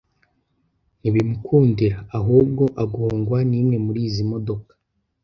ntibimukundira ahubwo agongwa n’imwe muri izi modoka